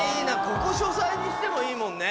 ここ書斎にしてもいいもんね。